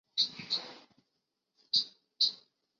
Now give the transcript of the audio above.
韩弘人。